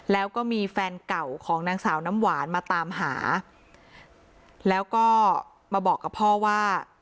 แล้วก็มีแฟนเก่าของนางสาวน้ำหวานมาตามหาแล้วก็มาบอกกับพ่อว่า